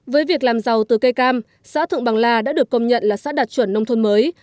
với việc làm giàu từ cây cam xã thượng bằng la đã được công nhận là xã đạt chuẩn nông thôn mới